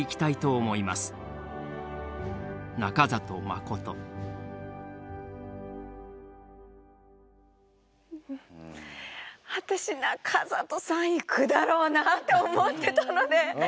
私中里さん行くだろうなって思ってたので。